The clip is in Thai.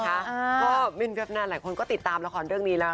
ก็บินเว็บนานหลายคนก็ติดตามละครเรื่องนี้แล้ว